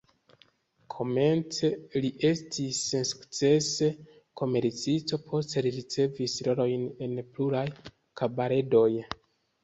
Komence li estis sensukcese komercisto, poste li ricevis rolojn en pluraj kabaredoj.